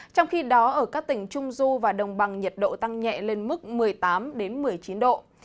trong khi đó ở các tỉnh trung du và đồng bằng nhiệt độ tăng nhẹ lên mức một mươi tám một mươi chín độ